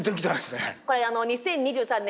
これ２０２３年